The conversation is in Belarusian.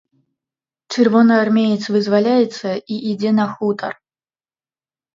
Чырвонаармеец вызваляецца і ідзе на хутар.